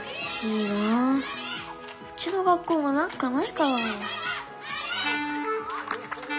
いいなうちの学校もなんかないかな。